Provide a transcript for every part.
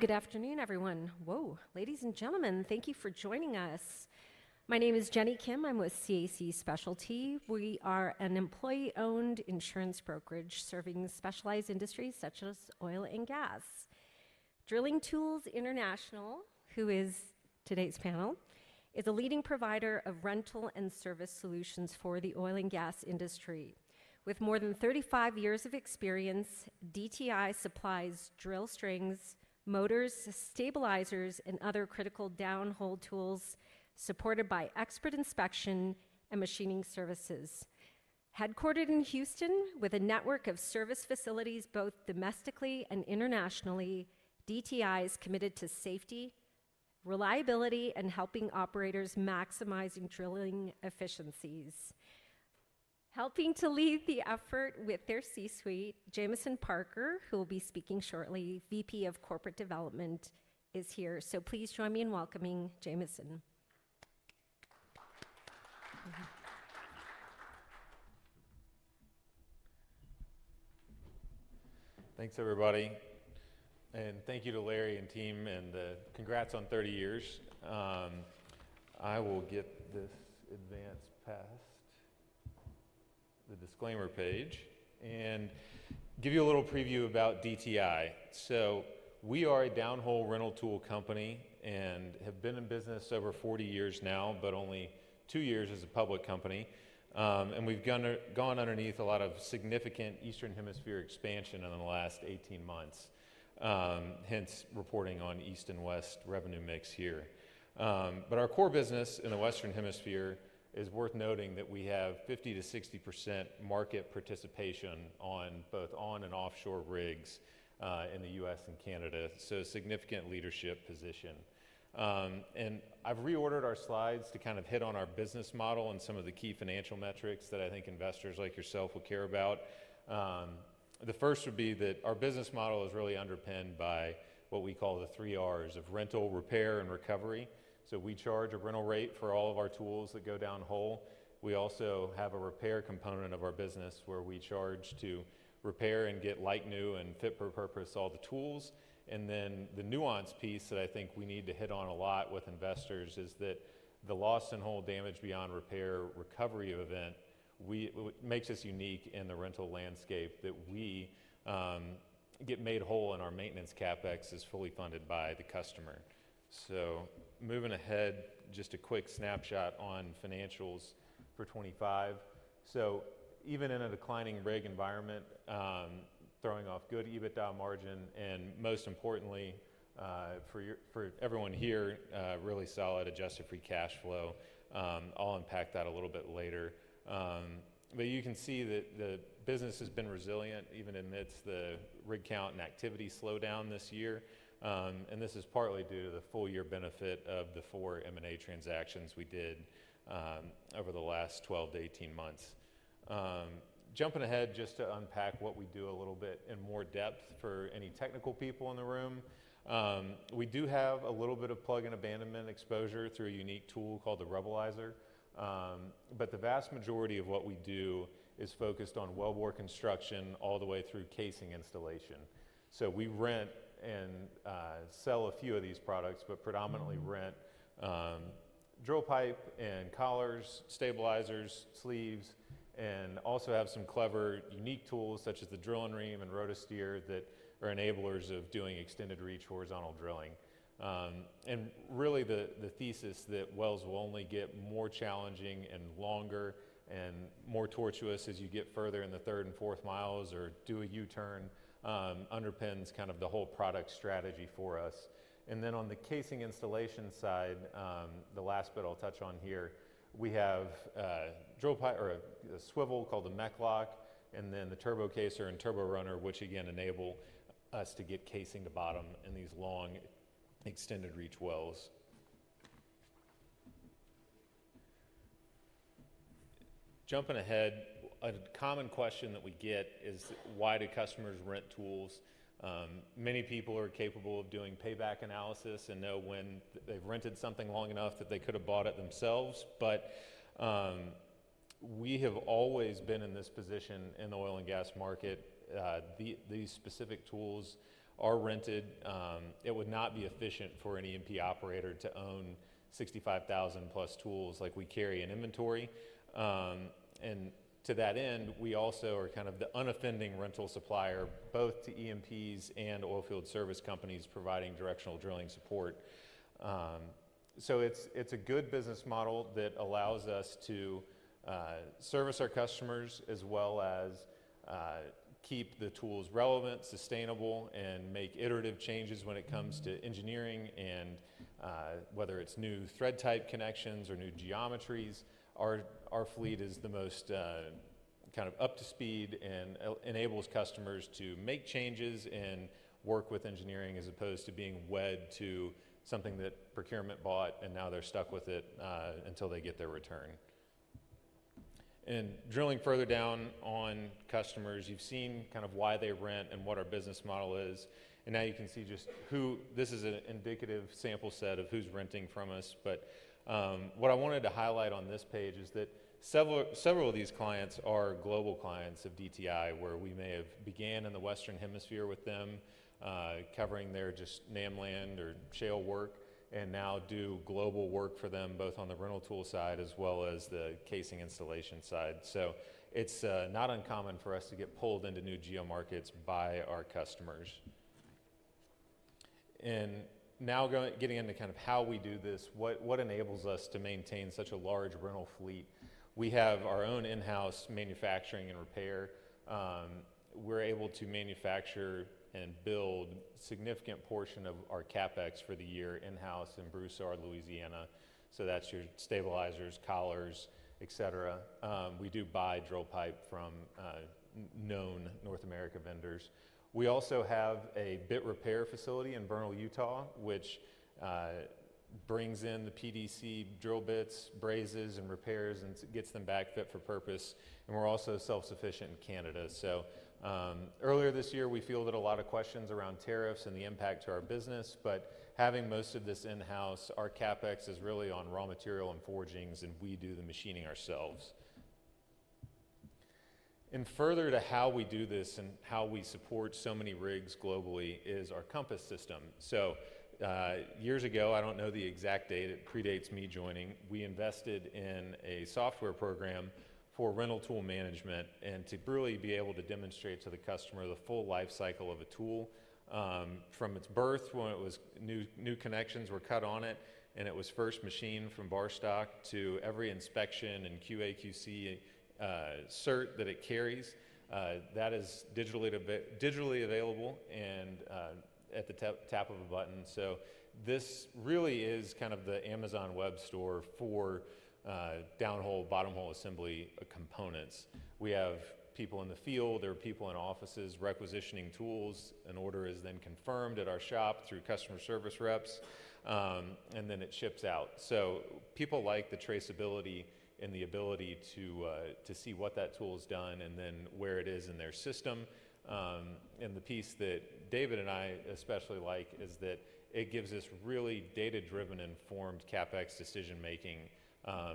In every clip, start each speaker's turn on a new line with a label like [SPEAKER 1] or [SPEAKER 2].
[SPEAKER 1] Good afternoon everyone. Ladies and gentlemen, thank you for joining us. My name is Jenny Kim. I'm with CAC Specialty. We are an employee-owned insurance brokerage serving specialized industries such as oil and gas. Drilling Tools International, who is today's panel, is a leading provider of downhole rental and service solutions for the oil and gas industry. With more than 35 years of experience, DTI supplies drill pipe, motors, stabilizers, and other critical downhole tools supported by expert inspection and machining services. Headquartered in Houston, with a network of service facilities both domestically and internationally, DTI is committed to safety, reliability, and helping operators maximize drilling efficiencies. Helping to lead the effort with their C-suite, Jameson Parker, who will be speaking shortly, VP of Corporate Development, is here. Please join me in welcoming Jameson.
[SPEAKER 2] Thanks, everybody. Thank you to Larry and team, and congrats on 30 years. I will get this advanced past the disclaimer page and give you a little preview about DTI. We are a downhole rental tool company and have been in business over 40 years now, but only two years as a public company. We've gone underneath a lot of significant Eastern Hemisphere expansion in the last 18 months, hence reporting on East and West revenue mix here. Our core business in the Western Hemisphere is worth noting that we have 50%-60% market participation on both on and offshore rigs in the U.S. and Canada, so a significant leadership position. I've reordered our slides to kind of hit on our business model and some of the key financial metrics that I think investors like yourself will care about. The first would be that our business model is really underpinned by what we call the three R's of rental, repair, and recovery. We charge a rental rate for all of our tools that go downhole. We also have a repair component of our business where we charge to repair and get like new and fit for purpose all the tools. The nuanced piece that I think we need to hit on a lot with investors is that the lost and whole damage beyond repair recovery event makes us unique in the rental landscape, that we get made whole and our maintenance CapEx is fully funded by the customer. Moving ahead, just a quick snapshot on financials for 2025. Even in a declining rig environment, throwing off good EBITDA margin, and most importantly, for everyone here, really solid adjusted free cash flow. I'll unpack that a little bit later. You can see that the business has been resilient even amidst the rig count and activity slowdown this year. This is partly due to the full year benefit of the four M&A transactions we did over the last 12 months-18 months. Jumping ahead just to unpack what we do a little bit in more depth for any technical people in the room, we do have a little bit of plug-in abandonment exposure through a unique tool called the Rubberlizer. The vast majority of what we do is focused on wellbore construction all the way through casing installation. We rent and sell a few of these products, but predominantly rent drill pipe and collars, stabilizers, sleeves, and also have some clever unique tools such as the Drill-N-Ream and RotoSteer that are enablers of doing extended reach horizontal drilling. The thesis that wells will only get more challenging and longer and more tortuous as you get further in the third and fourth miles or do a U-turn underpins kind of the whole product strategy for us. On the casing installation side, the last bit I'll touch on here, we have a swivel called the Mechlock and then the turbo caser and turbo runner, which again enable us to get casing to bottom in these long extended reach wells. Jumping ahead, a common question that we get is why do customers rent tools? Many people are capable of doing payback analysis and know when they've rented something long enough that they could have bought it themselves. We have always been in this position in the oil and gas market. These specific tools are rented. It would not be efficient for an E&P operator to own 65,000+ tools like we carry in inventory. To that end, we also are kind of the unoffending rental supplier both to E&Ps and oilfield service companies providing directional drilling support. It's a good business model that allows us to service our customers as well as keep the tools relevant, sustainable, and make iterative changes when it comes to engineering. Whether it's new thread type connections or new geometries, our fleet is the most kind of up to speed and enables customers to make changes and work with engineering as opposed to being wed to something that procurement bought and now they're stuck with it until they get their return. Drilling further down on customers, you've seen kind of why they rent and what our business model is. Now you can see just who this is an indicative sample set of who's renting from us. What I wanted to highlight on this page is that several of these clients are global clients of DTI, where we may have begun in the Western Hemisphere with them covering their just NAM land or Shale work and now do global work for them both on the rental tool side as well as the casing installation side. It's not uncommon for us to get pulled into new geo markets by our customers. Now getting into kind of how we do this, what enables us to maintain such a large rental fleet? We have our own in-house manufacturing and repair. We're able to manufacture and build a significant portion of our CapEx for the year in-house in Broussard, Louisiana. That's your stabilizers, collars, et cetera. We do buy drill pipe from known North America vendors. We also have a bit repair facility in Vernal, Utah, which brings in the PDC drill bits, brazes, and repairs and gets them back fit for purpose. We're also self-sufficient in Canada. Earlier this year, we fielded a lot of questions around tariffs and the impact to our business. Having most of this in-house, our CapEx is really on raw material and forgings, and we do the machining ourselves. Further to how we do this and how we support so many rigs globally is our Compass system. Years ago, I don't know the exact date, it predates me joining, we invested in a software program for rental tool management and to really be able to demonstrate to the customer the full life cycle of a tool from its birth when it was new, connections were cut on it and it was first machined from bar stock to every inspection and QA/QC cert that it carries. That is digitally available and at the tap of a button. This really is kind of the Amazon Web Store for downhole Bottom Hole Assembly components. We have people in the field, there are people in offices requisitioning tools. An order is then confirmed at our shop through customer service reps, and then it ships out. People like the traceability and the ability to see what that tool's done and then where it is in their system. The piece that David and I especially like is that it gives us really data-driven informed CapEx decision making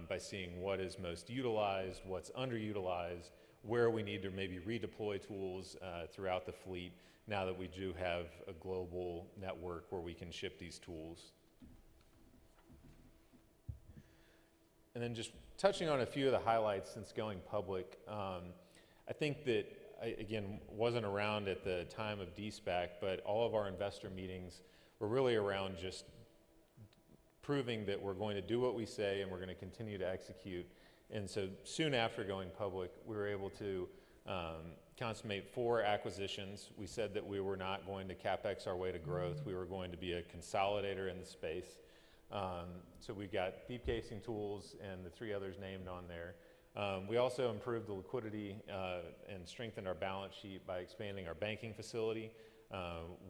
[SPEAKER 2] by seeing what is most utilized, what's underutilized, where we need to maybe redeploy tools throughout the fleet now that we do have a global network where we can ship these tools. Just touching on a few of the highlights since going public, I think that I again wasn't around at the time of DSPAC, but all of our investor meetings were really around just proving that we're going to do what we say and we're going to continue to execute. Soon after going public, we were able to consummate four acquisitions. We said that we were not going to CapEx our way to growth. We were going to be a consolidator in the space. We got Deep Casing Tools and the three others named on there. We also improved the liquidity and strengthened our balance sheet by expanding our banking facility.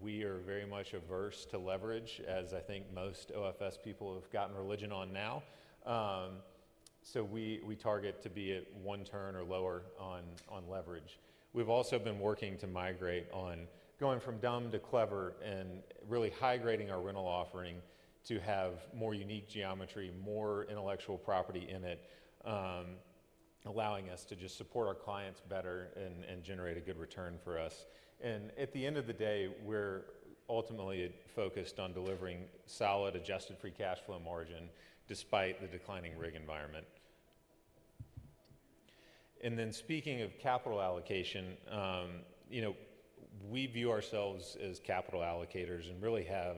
[SPEAKER 2] We are very much averse to leverage, as I think most OFS people have gotten religion on now. We target to be at one turn or lower on leverage. We've also been working to migrate on going from dumb to clever and really high grading our rental offering to have more unique geometry, more intellectual property in it, allowing us to just support our clients better and generate a good return for us. At the end of the day, we're ultimately focused on delivering solid adjusted free cash flow margin despite the declining rig environment. Speaking of capital allocation, you know we view ourselves as capital allocators and really have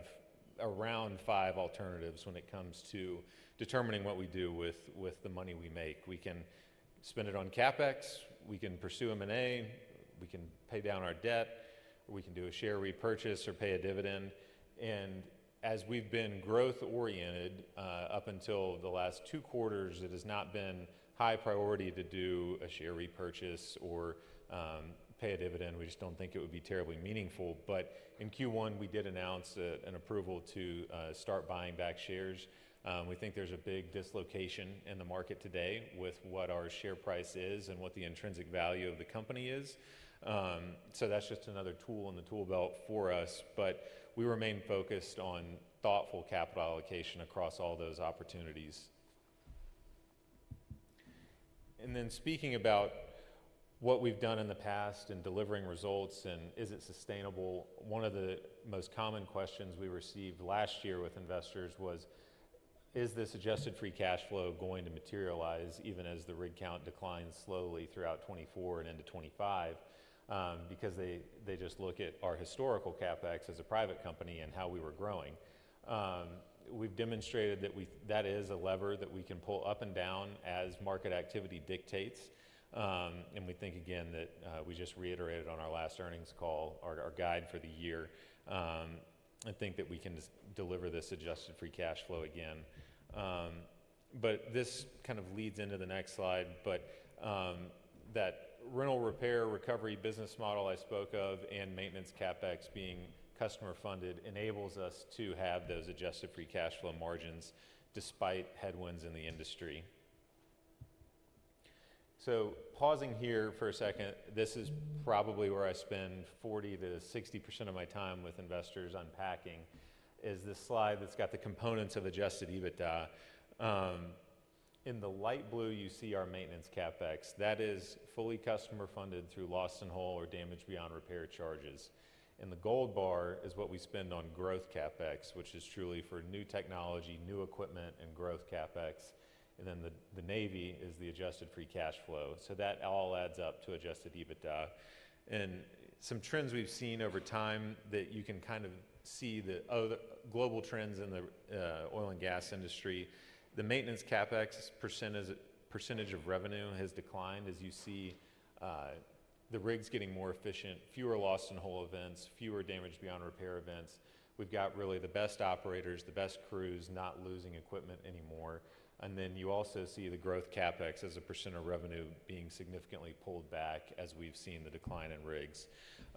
[SPEAKER 2] around five alternatives when it comes to determining what we do with the money we make. We can spend it on CapEx, we can pursue M&A, we can pay down our debt, we can do a share repurchase or pay a dividend. As we've been growth oriented up until the last two quarters, it has not been high priority to do a share repurchase or pay a dividend. We just don't think it would be terribly meaningful. In Q1, we did announce an approval to start buying back shares. We think there's a big dislocation in the market today with what our share price is and what the intrinsic value of the company is. That's just another tool in the tool belt for us. We remain focused on thoughtful capital allocation across all those opportunities. Speaking about what we've done in the past and delivering results and is it sustainable, one of the most common questions we received last year with investors was, is this adjusted free cash flow going to materialize even as the rig count declines slowly throughout 2024 and into 2025? They just look at our historical CapEx as a private company and how we were growing. We've demonstrated that that is a lever that we can pull up and down as market activity dictates. We think again that we just reiterated on our last earnings call our guide for the year. I think that we can deliver this adjusted free cash flow again. This kind of leads into the next slide. That rental repair recovery business model I spoke of and maintenance CapEx being customer funded enables us to have those adjusted free cash flow margins despite headwinds in the industry. Pausing here for a second, this is probably where I spend 40%-60% of my time with investors unpacking is the slide that's got the components of adjusted EBITDA. In the light blue, you see our maintenance CapEx that is fully customer funded through lost in hole or damaged beyond repair charges. The gold bar is what we spend on growth CapEx, which is truly for new technology, new equipment, and growth CapEx. The navy is the adjusted free cash flow. That all adds up to adjusted EBITDA. Some trends we've seen over time show the global trends in the oil and gas industry. The maintenance CapEx % of revenue has declined as you see the rigs getting more efficient, fewer lost in hole events, fewer damaged beyond repair events. We've got really the best operators, the best crews not losing equipment anymore. You also see the growth CapEx as a % of revenue being significantly pulled back as we've seen the decline in rigs.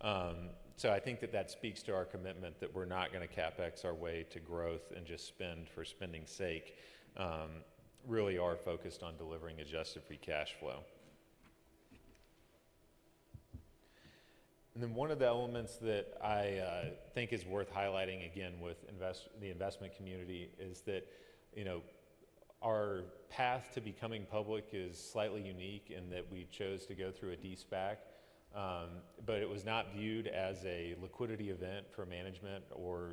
[SPEAKER 2] I think that speaks to our commitment that we're not going to CapEx our way to growth and just spend for spending's sake. We really are focused on delivering adjusted free cash flow. One of the elements that I think is worth highlighting again with the investment community is that our path to becoming public is slightly unique in that we chose to go through a DSPAC. It was not viewed as a liquidity event for management or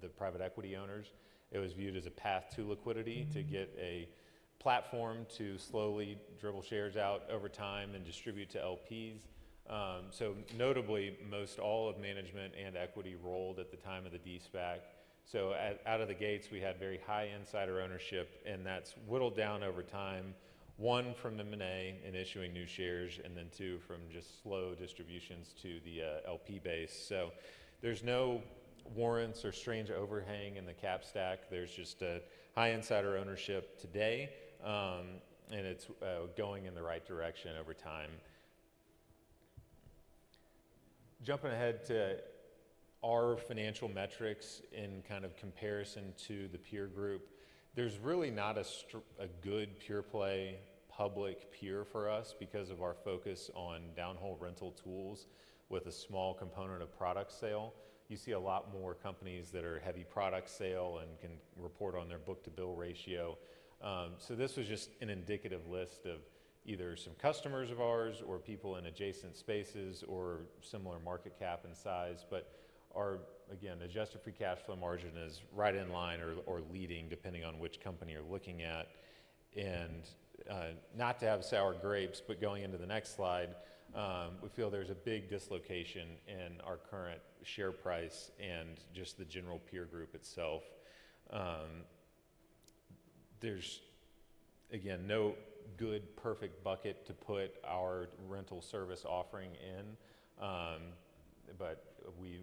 [SPEAKER 2] the private equity owners. It was viewed as a path to liquidity to get a platform to slowly dribble shares out over time and distribute to LPs. Notably, most all of management and equity rolled at the time of the DSPAC. Out of the gates, we had very high insider ownership and that's whittled down over time. One from the M&A in issuing new shares and two from just slow distributions to the LP base. There's no warrants or strange overhang in the cap stack. There's just a high insider ownership today and it's going in the right direction over time. Jumping ahead to our financial metrics in comparison to the peer group, there's really not a good pure play public peer for us because of our focus on downhole rental tools with a small component of product sale. You see a lot more companies that are heavy product sale and can report on their book to bill ratio. This was just an indicative list of either some customers of ours or people in adjacent spaces or similar market cap and size. Our adjusted free cash flow margin is right in line or leading depending on which company you're looking at. Not to have sour grapes, going into the next slide, we feel there's a big dislocation in our current share price and just the general peer group itself. There's, again, no good perfect bucket to put our rental service offering in, but we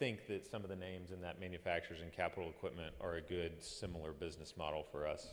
[SPEAKER 2] think that some of the names in that manufacturers and capital equipment are a good similar business model for us.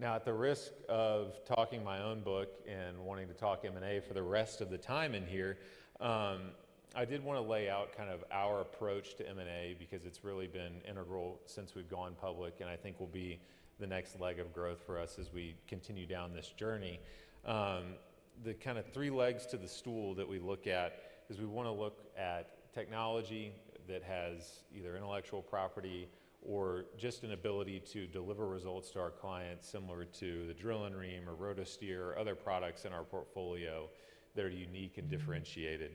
[SPEAKER 2] At the risk of talking my own book and wanting to talk M&A for the rest of the time in here, I did want to lay out kind of our approach to M&A because it's really been integral since we've gone public and I think will be the next leg of growth for us as we continue down this journey. The kind of three legs to the stool that we look at is we want to look at technology that has either intellectual property or just an ability to deliver results to our clients similar to the Drill-N-Ream or RotoSteer or other products in our portfolio. They're unique and differentiated.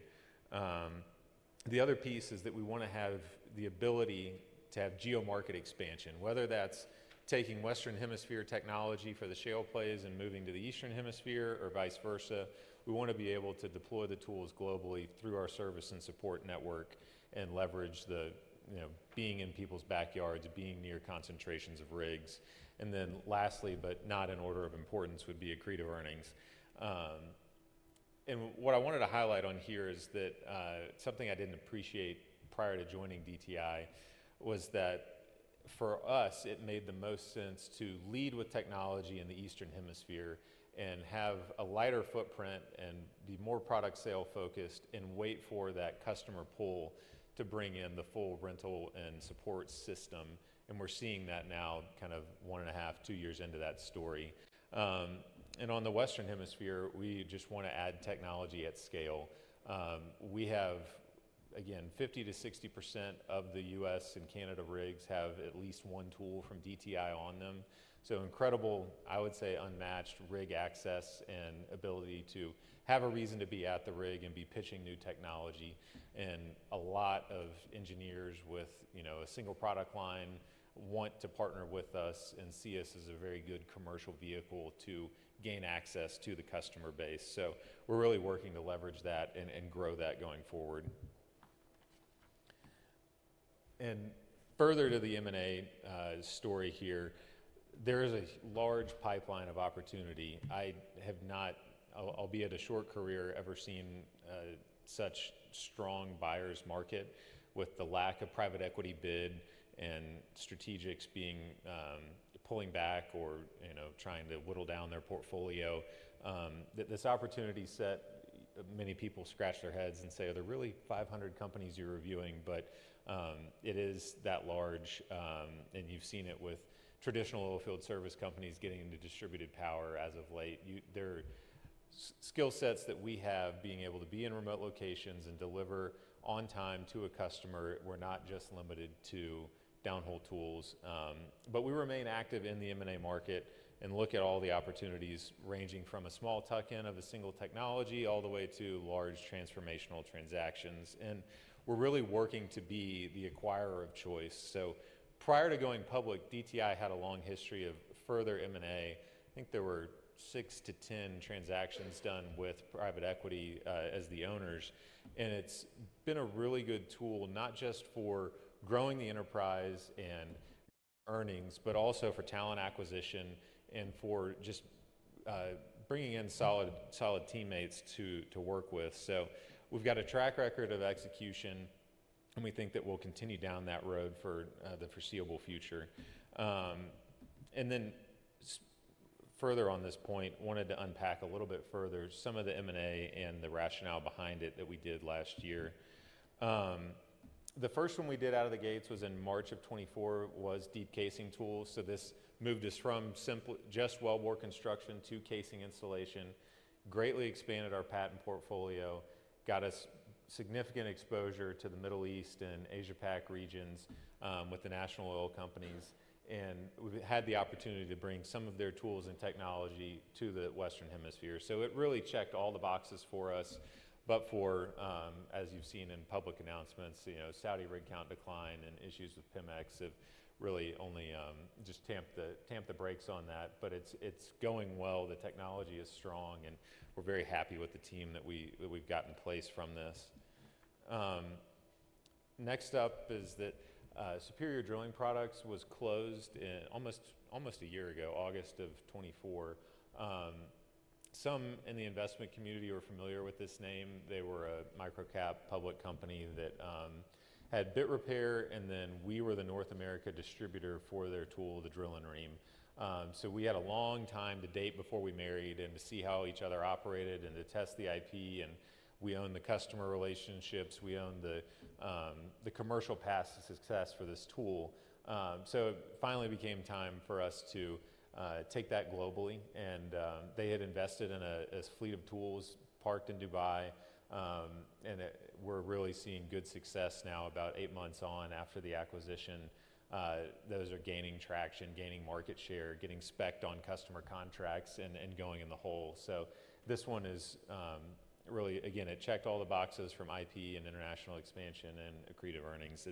[SPEAKER 2] The other piece is that we want to have the ability to have geo market expansion, whether that's taking Western Hemisphere technology for the Shale Plays and moving to the Eastern Hemisphere or vice versa. We want to be able to deploy the tools globally through our service and support network and leverage being in people's backyards, being near concentrations of rigs. Lastly, but not in order of importance, would be accretive earnings. What I wanted to highlight on here is that something I didn't appreciate prior to joining DTI. was that for us, it made the most sense to lead with technology in the Eastern Hemisphere and have a lighter footprint and be more product sale focused and wait for that customer pull to bring in the full rental and support system. We're seeing that now kind of one and a half, two years into that story. On the Western Hemisphere, we just want to add technology at scale. We have, again, 50%-60% of the U.S. and Canada rigs have at least one tool from DTI on them. Incredible, I would say, unmatched rig access and ability to have a reason to be at the rig and be pitching new technology. A lot of engineers with a single product line want to partner with us and see us as a very good commercial vehicle to gain access to the customer base. We're really working to leverage that and grow that going forward. Further to the M&A story here, there is a large pipeline of opportunity. I have not, albeit a short career, ever seen such a strong buyer's market with the lack of private equity bid and strategics being pulling back or trying to whittle down their portfolio. That this opportunity set, many people scratch their heads and say, are there really 500 companies you're reviewing? It is that large. You've seen it with traditional oilfield service companies getting into distributed power as of late. There are skill sets that we have being able to be in remote locations and deliver on time to a customer. We're not just limited to downhole tools. We remain active in the M&A market and look at all the opportunities ranging from a small tuck-in of a single technology all the way to large transformational transactions. We're really working to be the acquirer of choice. Prior to going public, DTI had a long history of further M&A. I think there were 6-10 transactions done with private equity as the owners. It's been a really good tool not just for growing the enterprise and earnings, but also for talent acquisition and for just bringing in solid teammates to work with. We've got a track record of execution and we think that we'll continue down that road for the foreseeable future. Further on this point, I wanted to unpack a little bit further some of the M&A and the rationale behind it that we did last year. The first one we did out of the gates was in March of 2024, was Deep Casing Tools. This moved us from just wellbore construction to casing installation, greatly expanded our patent portfolio, got us significant exposure to the Middle East and Asia-Pac regions with the national oil companies. We had the opportunity to bring some of their tools and technology to the Western Hemisphere. It really checked all the boxes for us. As you've seen in public announcements, Saudi rig count decline and issues with Pemex have really only just tamped the brakes on that. It's going well. The technology is strong and we're very happy with the team that we've got in place from this. Next up is that Superior Drilling Products was closed almost a year ago, August of 2024. Some in the investment community were familiar with this name. They were a micro-cap public company that had bit repair and then we were the North America distributor for their tool, the Drill-N-Ream. We had a long time to date before we married and to see how each other operated and to test the IP. We owned the customer relationships. We owned the commercial path to success for this tool. It finally became time for us to take that globally. They had invested in a fleet of tools parked in Dubai. We're really seeing good success now about eight months on after the acquisition. Those are gaining traction, gaining market share, getting specced on customer contracts, and going in the hole. This one is really, again, it checked all the boxes from IP and international expansion and accretive earnings.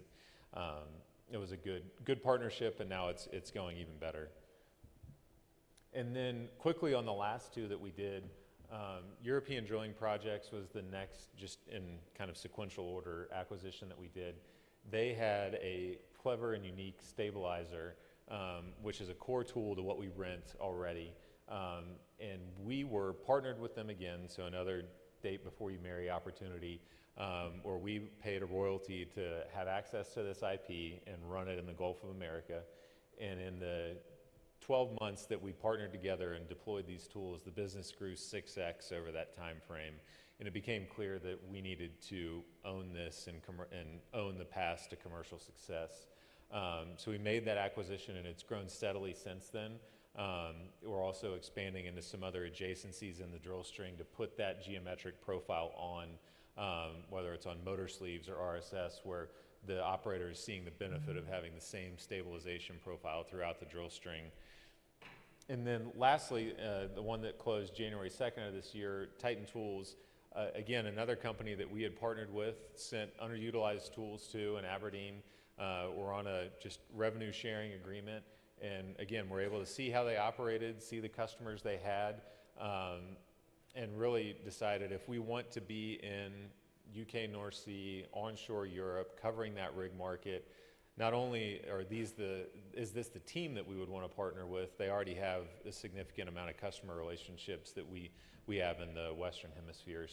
[SPEAKER 2] It was a good partnership and now it's going even better. Quickly on the last two that we did, European Drilling Projects was the next, just in kind of sequential order, acquisition that we did. They had a clever and unique stabilizer, which is a core tool to what we rent already. We were partnered with them again, so another date before you marry opportunity where we paid a royalty to have access to this IP and run it in the Gulf of America. In the 12 months that we partnered together and deployed these tools, the business grew 6X over that timeframe. It became clear that we needed to own this and own the path to commercial success. We made that acquisition and it's grown steadily since then. We're also expanding into some other adjacencies in the drill string to put that geometric profile on, whether it's on motor sleeves or RSS, where the operator is seeing the benefit of having the same stabilization profile throughout the drill string. Lastly, the one that closed January 2, 2024, Titan Tools. Again, another company that we had partnered with, sent underutilized tools to in Aberdeen. We're on a revenue sharing agreement. We were able to see how they operated, see the customers they had, and really decided if we want to be in UK, North Sea, onshore Europe covering that rig market. Not only is this the team that we would want to partner with, they already have a significant amount of customer relationships that we have in the Western Hemisphere.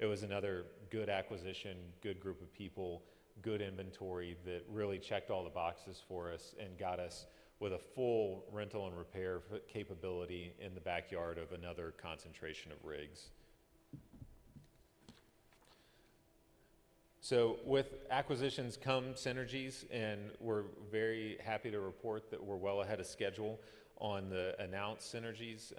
[SPEAKER 2] It was another good acquisition, good group of people, good inventory that really checked all the boxes for us and got us with a full rental and repair capability in the backyard of another concentration of rigs. With acquisitions come synergies and we're very happy to report that we're well ahead of schedule on the announced synergies.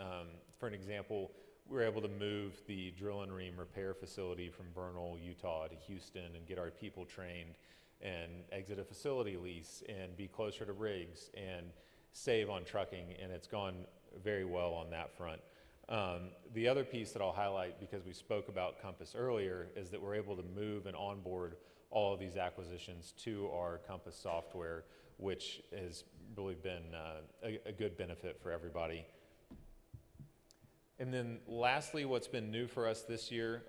[SPEAKER 2] For example, we're able to move the Drill-N-Ream repair facility from Bernal, Utah to Houston and get our people trained and exit a facility lease and be closer to rigs and save on trucking. It's gone very well on that front. The other piece that I'll highlight because we spoke about Compass earlier is that we're able to move and onboard all of these acquisitions to our Compass software, which has really been a good benefit for everybody. Lastly, what's been new for us this year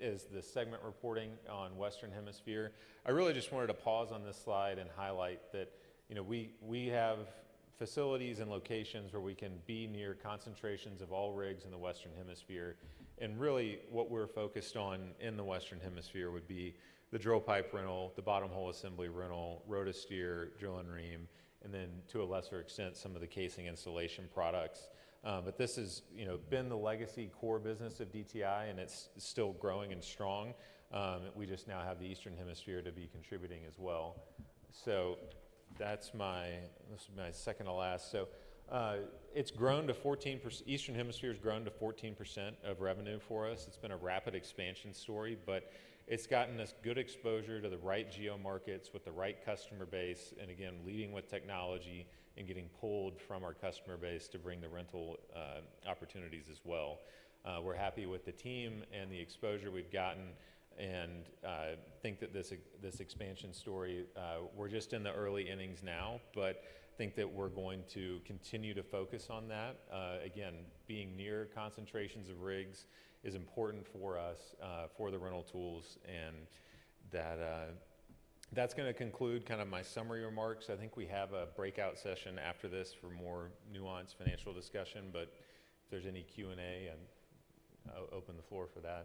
[SPEAKER 2] is the segment reporting on Western Hemisphere. I really just wanted to pause on this slide and highlight that we have facilities and locations where we can be near concentrations of all rigs in the Western Hemisphere. Really what we're focused on in the Western Hemisphere would be the drill pipe rental, the bottom hole assembly rental, RotoSteer, Drill-N-Ream, and then to a lesser extent, some of the casing installation products. This has been the legacy core business of DTI and it's still growing and strong. We just now have the Eastern Hemisphere to be contributing as well. This is my second to last. It's grown to 14%. Eastern Hemisphere has grown to 14% of revenue for us. It's been a rapid expansion story, but it's gotten us good exposure to the right geo markets with the right customer base. Again, leading with technology and getting pulled from our customer base to bring the rental opportunities as well. We're happy with the team and the exposure we've gotten and think that this expansion story, we're just in the early innings now, but think that we're going to continue to focus on that. Again, being near concentrations of rigs is important for us for the rental tools. That's going to conclude kind of my summary remarks. I think we have a breakout session after this for more nuanced financial discussion, but if there's any Q&A, I'll open the floor for that.